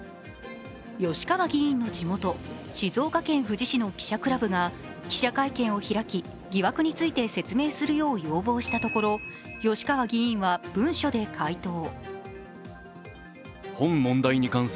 吉川議員の地元、静岡県富士市の記者クラブが記者会見を開き、疑惑について説明するよう要望したところ吉川議員は文書で回答。